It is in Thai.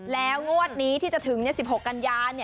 แล้วงวดนี้ที่จะถึง๑๖กันยา